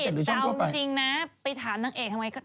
แต่เอาจริงนะไปถามนางเอกทำไม